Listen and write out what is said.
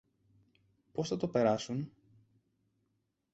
Πώς θα το περάσουν;